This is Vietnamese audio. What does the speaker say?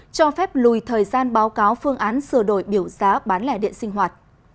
cho phép lùi thời gian báo cáo phương án sửa đổi biểu giá bán lẻ điện sinh hoạt